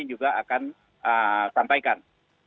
juga akan sampaikan